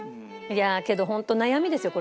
いやあけど本当悩みですよ。